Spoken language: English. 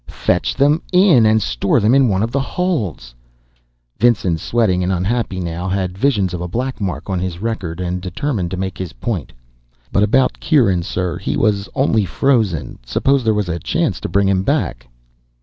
Fetch them in and store them in one of the holds." Vinson, sweating and unhappy now, had visions of a black mark on his record, and determined to make his point. "But about Kieran, sir he was only frozen. Suppose there was a chance to bring him back?"